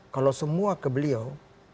kalau semua ke beliau